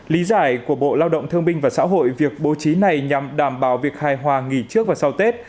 lý giải của bộ lao động thương binh và xã hội việc bố trí này nhằm đảm bảo việc hài hòa nghỉ trước và sau tết